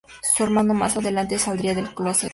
Su hermano más adelante saldría del clóset.